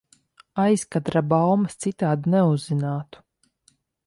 Aizkadra baumas citādi neuzzinātu.